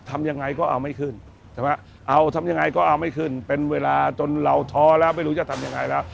ทำยังไงก็เอาไม่ขึ้นใช่ไหมเอาทำยังไงก็เอาไม่ขึ้นเป็นเวลาจนเราท้อแล้วไม่รู้จะทำยังไงแล้ว